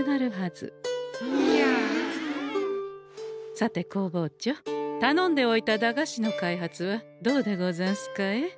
さて工房長たのんでおいた駄菓子の開発はどうでござんすかえ？